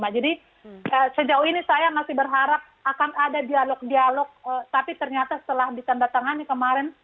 jadi sejauh ini saya masih berharap akan ada dialog dialog tapi ternyata setelah ditandatangani kemarin